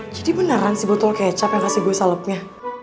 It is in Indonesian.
jadi beneran sih botol kecap yang kasih gue salepnya